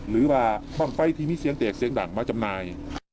หรือว่าบ้างไฟที่มีเสียงเด็กเสียงดังมาจำนาย